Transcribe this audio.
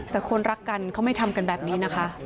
แต่คนรักกันเขาไม่ทำกันแบบนี้นะคะ